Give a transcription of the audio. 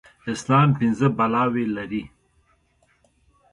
اسلام پينځه بلاوي لري.